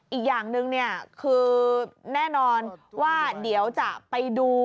อีกอย่างหนึ่งเนี่ยคือแน่นอนว่าเดี๋ยวจะไปดู